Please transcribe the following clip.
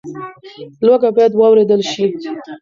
لوږه باید واورېدل شي.